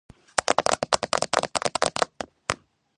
დაკრძალულია უფას მუსლიმურ სასაფლაოზე.